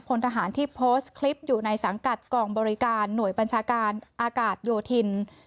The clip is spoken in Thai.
พลทหารที่โพสต์คลิปอยู่ในสังกัดกองบริการหน่วยบัญชาการอากาศโยธิน